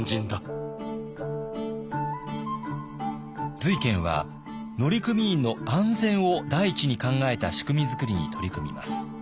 瑞賢は乗組員の安全を第一に考えた仕組み作りに取り組みます。